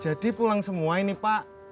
jadi pulang semua ini pak